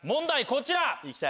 こちら！